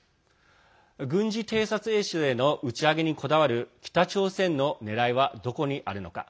軍事偵察衛星の打ち上げにこだわる北朝鮮のねらいはどこにあるのか。